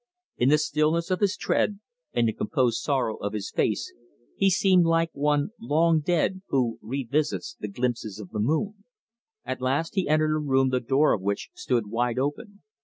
In the stillness of his tread and the composed sorrow of his face he seemed like one long dead who "revisits the glimpses of the moon." At last he entered a room the door of which stood wide open.